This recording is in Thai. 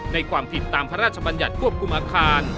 ความผิดตามพระราชบัญญัติควบคุมอาคาร